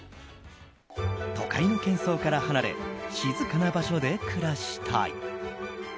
都会の喧騒から離れ静かな場所で暮らしたい。